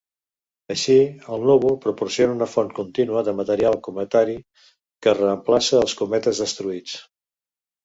Així, el núvol proporciona una font contínua de material cometari que reemplaça els cometes destruïts.